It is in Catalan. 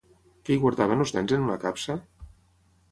Què hi guardaven els nens en una capsa?